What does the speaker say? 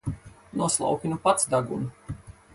Noslauki nu pats degunu!